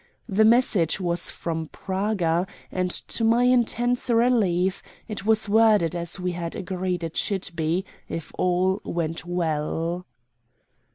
The message was from Praga, and to my intense relief it was worded as we had agreed it should be if all went well.